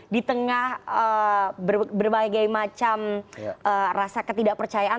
di tengah berbagai macam rasa ketidakpercayaan